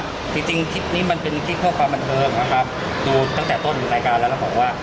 จริงจริงที่นี่มันเป็นที่เพิ่มความบันเทิมนะครับดูตั้งแต่ต้นดูรายการแล้วเราบอกว่า